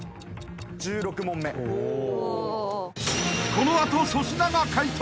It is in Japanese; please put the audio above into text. ［この後粗品が解答！